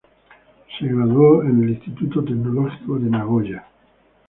Se graduó en el Instituto tecnológico de Nagoya.